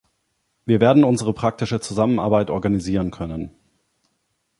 Wir werden unsere praktische Zusammenarbeit organisieren können.